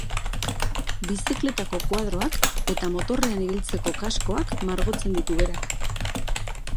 Bizikletako koadroak eta motorrean ibilitzeko kaskoak margotzen ditu berak.